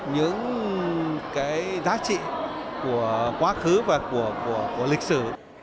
những cái giá trị của quá khứ và của lịch sử